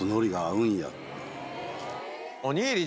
おにぎり。